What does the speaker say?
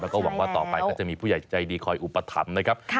แล้วก็หวังว่าต่อไปก็จะมีผู้ใหญ่ใจดีคอยอุปถัมภ์นะครับ